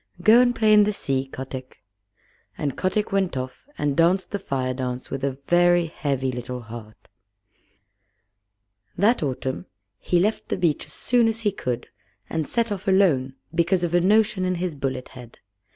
Go and play in the sea, Kotick." And Kotick went off and danced the Fire dance with a very heavy little heart. That autumn he left the beach as soon as he could, and set off alone because of a notion in his bullet head.